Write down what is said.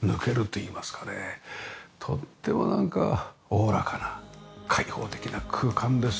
とってもなんかおおらかな開放的な空間です。